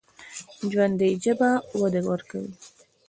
ژوندي ژبه وده ورکوي